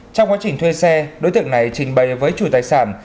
trong quá trình thuê xe đối tượng này trình bày với chủ tài sản